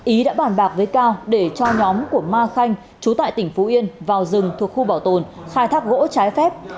ý đã bàn bạc với cao để cho nhóm của ma khanh chú tại tỉnh phú yên vào rừng thuộc khu bảo tồn khai thác gỗ trái phép